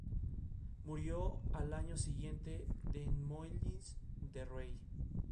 Murió al año siguiente en Molins de Rei.